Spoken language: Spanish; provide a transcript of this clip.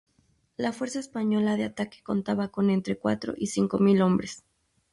La fuerza española de ataque contaba con entre cuatro y cinco mil hombres.